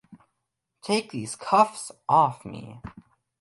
Take these cuffs off me!